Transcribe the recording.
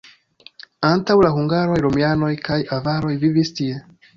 Antaŭ la hungaroj romianoj kaj avaroj vivis tie.